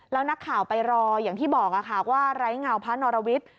แล้วนักข่าวไปรออย่างที่บอกค่ะว่าไร้เงาพระนรวิทย์